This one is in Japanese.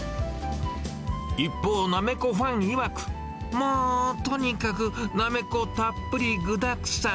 一方、なめこファンいわく、まあ、とにかくなめこたっぷり具だくさん。